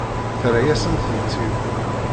Terra-yasen-tent-id.